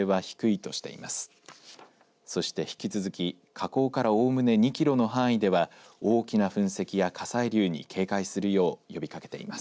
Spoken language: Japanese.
そして引き続き火口からおおむね２キロの範囲では大きな噴石や火砕流に警戒するよう呼びかけています。